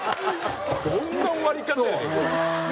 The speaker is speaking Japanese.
どんな終わり方やねんこれ。